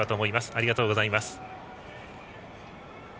ありがとうございます。